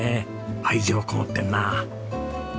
愛情こもってんな。